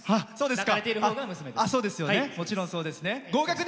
抱かれているほうが娘です。